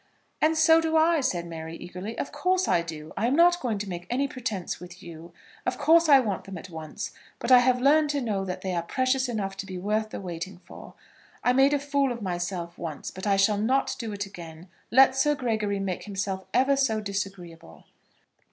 "And so do I," said Mary, eagerly; "of course I do. I am not going to make any pretence with you. Of course I want them at once. But I have learned to know that they are precious enough to be worth the waiting for. I made a fool of myself once; but I shall not do it again, let Sir Gregory make himself ever so disagreeable."